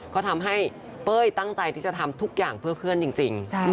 ก็ทำให้เป้ยตั้งใจที่จะทำทุกอย่างเพื่อเพื่อนจริง